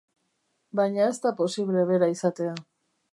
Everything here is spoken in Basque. Baina ez da posible bera izatea.